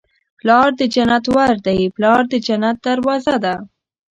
پلار د جنت ور دی. پلار د جنت دروازه ده